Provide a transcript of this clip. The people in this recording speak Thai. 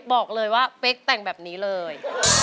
บอกเลยว่าเป๊กแต่งแบบนี้เลย